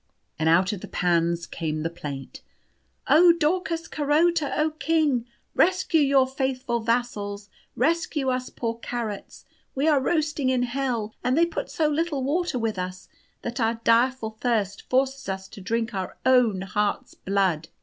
And out of the pans came the plaint: "Oh Daucus Carota! Oh King! Rescue your faithful vassals rescue us poor carrots. We are roasting in hell and they put so little water with us, that our direful thirst forces us to drink our own heart's blood!"